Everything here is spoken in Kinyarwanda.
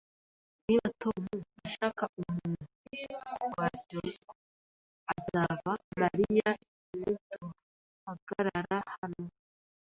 Niba Tom ashaka umuntu waryozwa, azaba Mariya Niduhagarara hano,